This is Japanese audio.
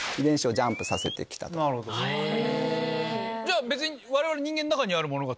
じゃあ別に。